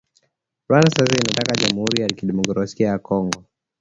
Rwanda sasa inataka jamhuri ya kidemokrasia ya Kongo